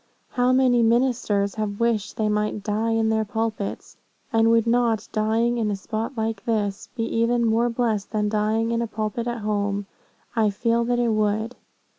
How many ministers have wished they might die in their pulpits; and would not dying in a spot like this, be even more blessed than dying in a pulpit at home? I feel that it would.'